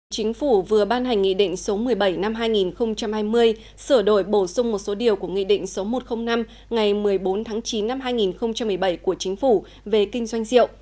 chính phủ vừa ban hành nghị định số một mươi bảy năm hai nghìn hai mươi sửa đổi bổ sung một số điều của nghị định số một trăm linh năm ngày một mươi bốn tháng chín năm hai nghìn một mươi bảy của chính phủ về kinh doanh rượu